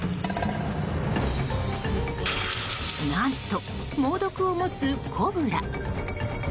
何と、猛毒を持つコブラ。